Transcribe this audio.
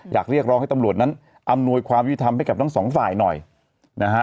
เรียกร้องให้ตำรวจนั้นอำนวยความยุทธรรมให้กับทั้งสองฝ่ายหน่อยนะฮะ